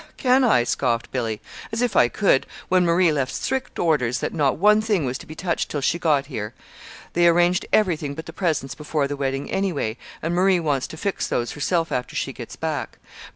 "Humph! Can I?" scoffed Billy. "As if I could when Marie left strict orders that not one thing was to be touched till she got here. They arranged everything but the presents before the wedding, anyway; and Marie wants to fix those herself after she gets back.